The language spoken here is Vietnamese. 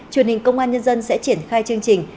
truyền hình công an nhân dân sẽ triển khai chương trình